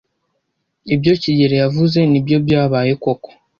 ibyo kigeli yavuze nibyo byabaye koko.